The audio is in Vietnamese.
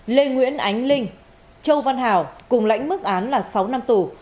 lê nguyễn ánh linh châu văn hảo cùng lãnh mức án là sáu năm tù